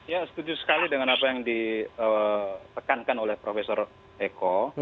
ya setuju sekali dengan apa yang di tekankan oleh prof heko